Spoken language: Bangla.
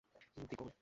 The goal!